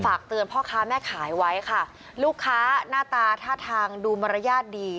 เตือนพ่อค้าแม่ขายไว้ค่ะลูกค้าหน้าตาท่าทางดูมารยาทดี